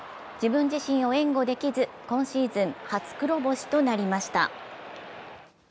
自分自身を援護できず、今シーズン初黒星となりました。